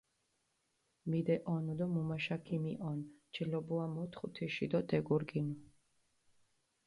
მიდეჸონუ დო მუმაშა ქიმიჸონ, ჩილობუა მოთხუ თიში დო დეგურგინუ.